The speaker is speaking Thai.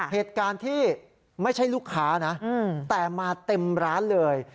เหตุการณ์ที่ไม่ใช่ลูกค้านะแต่มาเต็มร้านเลย